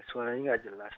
suaranya enggak jelas